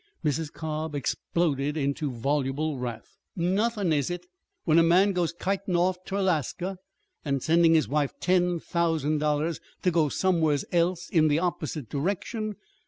Mrs. Cobb exploded into voluble wrath. "Nothin', is it? when a man goes kitin' off ter Alaska, and sendin' his wife ten thousand dollars ter go somewheres else in the opposite direction!